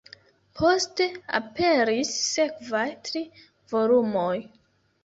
Poste aperis sekvaj tri volumoj.